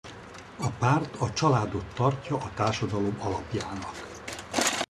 A párt a családot tartja a társadalom alapjának.